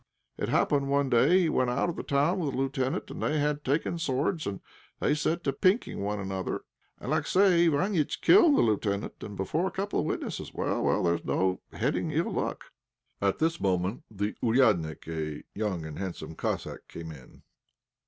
It happened one day he went out of the town with a lieutenant, and they had taken swords, and they set to pinking one another, and Alexey Iványtch killed the lieutenant, and before a couple of witnesses. Well, well, there's no heading ill luck!" At this moment the "ouriadnik," a young and handsome Cossack, came in.